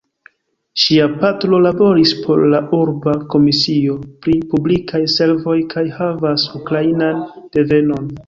Ŝia patro laboris por la urba Komisio pri Publikaj Servoj kaj havas ukrainan devenon.